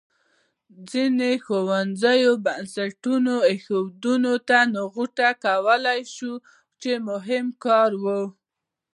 ځینو ښوونځیو بنسټ ایښودنې ته نغوته کولای شو چې مهم کار و.